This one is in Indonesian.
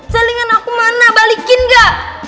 celengan aku mana balikin ga